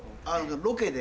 ロケで。